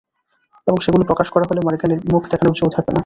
এবং সেগুলো প্রকাশ করা হলে মরগানের মুখ দেখানোর জো থাকবে না।